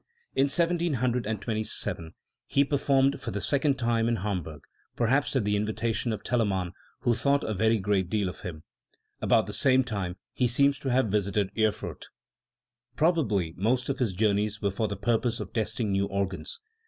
In 1727 he performed for the second time in Hamburg, perhaps at the invitation of Telemann, who thought a very great deal of him.. About the same time he seems to have visited Erfurt. Probably most of his journeys were for the purpose of testing new organs.